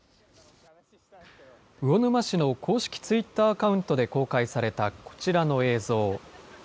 魚沼市の公式ツイッターアカウントで公開されたこちらの映像。